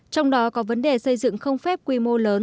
trong đó có vấn đề xây dựng không phép quy mô lớn